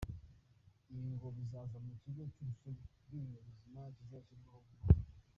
Ibi ngo bizaca mu kigo cy’urusobe rw’ibinyabuzima kizashyirwaho vuba aha.